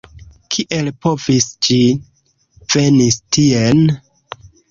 Kiel povis ĝi veni tien?